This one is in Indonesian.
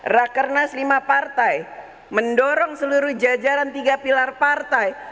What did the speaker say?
sembilan rakyat kernas lima partai mendorong seluruh jajaran tiga pilar partai